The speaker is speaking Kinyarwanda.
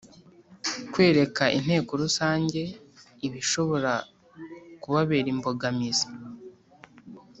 Kwereka Inteko Rusange ibishobora kubabera imbogamizi